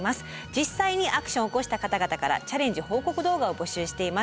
実際にアクションを起こした方々からチャレンジ報告動画を募集しています。